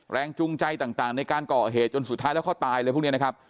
จูงใจต่างในการก่อเหตุจนสุดท้ายแล้วเขาตายเลยพวกนี้นะครับ